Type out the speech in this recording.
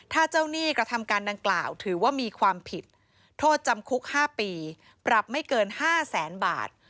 ถ้าเจ้าหนี้กระทำการดังกล่าวถือว่ามีความผิดโทษจำคุก๕ปีปรับไม่เกิน๕แสนบาท